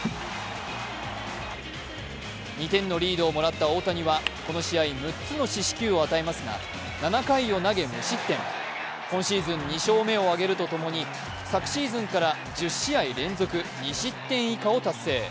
２点のリードをもらった大谷はこの試合、６つの四死球を与えますが７回を投げ無失点、今シーズン２勝目を挙げるとともに昨シーズンから１０試合連続２失点以下を達成。